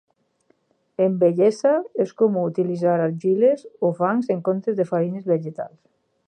En bellesa és comú utilitzar argiles o fangs en comptes de farines vegetals.